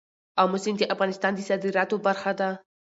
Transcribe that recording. آمو سیند د افغانستان د صادراتو برخه ده.